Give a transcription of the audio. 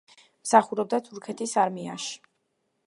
მსახურობდა თურქეთის არმიაში.